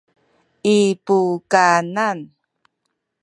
i pukanan